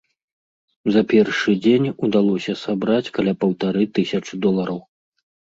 За першы дзень удалося сабраць каля паўтары тысячы долараў.